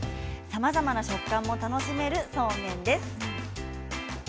さまざまな食感も楽しめるそうめんです。